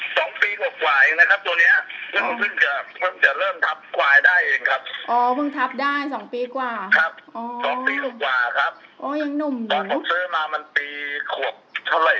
สองคำอายุเท่าไหร่แหละครับสองปีกว่ากว่าเองนะครับตัวเนี้ยอ๋อ